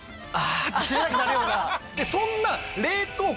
そんな。